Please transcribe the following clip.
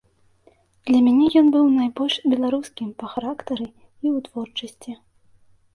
Для мяне ён быў найбольш беларускім па характары і ў творчасці.